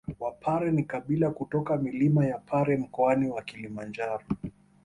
Wapare ni kabila kutoka milima ya Pare Mkoani wa Kilimanjaro